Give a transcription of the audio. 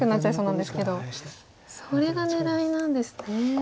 それが狙いなんですね。